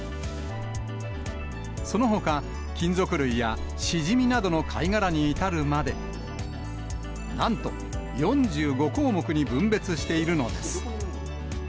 そのほか、金属類やシジミなどの貝殻に至るまで、なんと４５項目に分別しているのです。